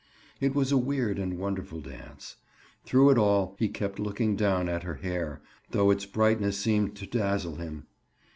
It was a weird and wonderful dance. Through it all he kept looking down at her hair, though its brightness seemed to dazzle him.